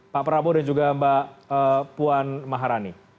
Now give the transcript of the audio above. pak prabowo dan juga mbak puan maharani